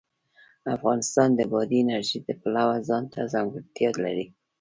افغانستان د بادي انرژي د پلوه ځانته ځانګړتیا لري.